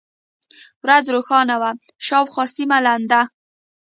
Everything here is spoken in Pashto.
ورځ روښانه وه، شاوخوا سیمه لنده.